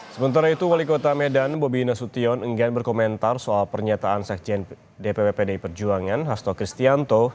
sementara itu wali kota medan bobi nasution enggan berkomentar soal pernyataan sekjen dpp pdi perjuangan hasto kristianto